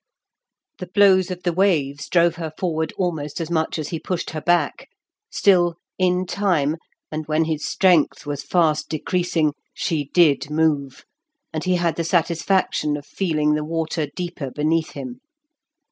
The blows of the waves drove her forward almost as much as he pushed her back. Still, in time, and when his strength was fast decreasing, she did move, and he had the satisfaction of feeling the water deeper beneath him.